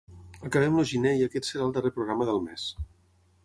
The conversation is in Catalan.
Acabem el gener i aquest serà el darrer programa del mes.